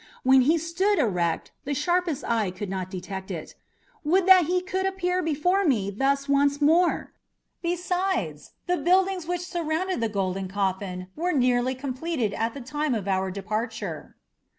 When he stood erect, the sharpest eye could not detect it. Would that he could appear before me thus once more! Besides, the buildings which surrounded the golden coffin were nearly completed at the time of our departure."